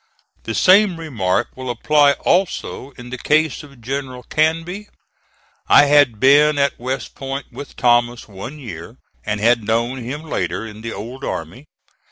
The same remark will apply also in the case of General Canby. I had been at West Point with Thomas one year, and had known him later in the old army.